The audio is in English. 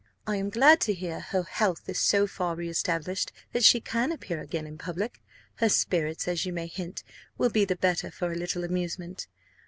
I am glad to hear her health is so far reestablished, that she can appear again in public; her spirits, as you may hint, will be the better for a little amusement.